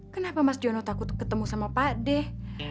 kenapa mas jono takut ketemu sama pak deh